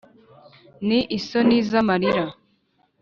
ni isoni z’amarira